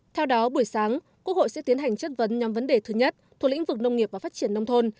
theo đó buổi sáng quốc hội sẽ tiến hành chất vấn nhóm vấn đề thứ nhất thuộc lĩnh vực nông nghiệp và phát triển nông thôn